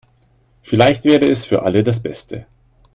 Vielleicht wäre es für alle das Beste.